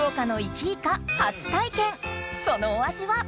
そのお味は？